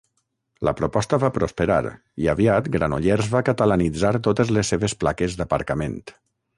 La proposta va prosperar, i aviat Granollers va catalanitzar totes les seves plaques d'aparcament.